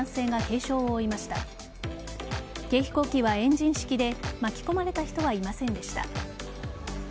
軽飛行機はエンジン式で巻き込まれた人はいませんでした。